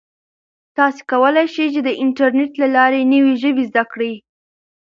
تاسو کولای شئ چې د انټرنیټ له لارې نوې ژبې زده کړئ.